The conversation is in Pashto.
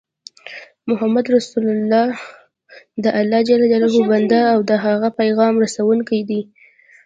محمد رسول الله دالله ج بنده او د د هغه پیغام رسوونکی دی